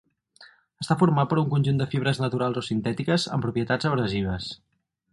Està format per un conjunt de fibres naturals o sintètiques amb propietats abrasives.